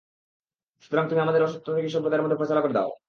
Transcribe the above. সুতরাং তুমি আমাদের ও সত্যত্যাগী সম্প্রদায়ের মধ্যে ফয়সালা করে দাও!